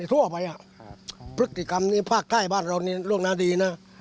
ทั่วไปพฤติกรรมนี้ภาคใต้บ้านเรานี่ล่วงหน้าดีนะ